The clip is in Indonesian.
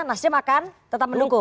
nasdem akan tetap mendukung